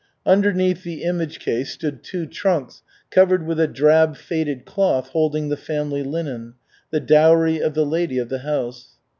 Underneath the image case stood two trunks covered with a drab faded cloth holding the family linen, the dowry of the lady of the house.